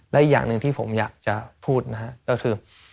และอีกอย่างหนึ่งที่ผมอยากจะพูดนะฮะก็คือ